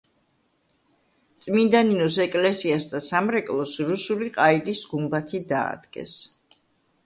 წმინდა ნინოს ეკლესიას და სამრეკლოს რუსული ყაიდის გუმბათი დაადგეს.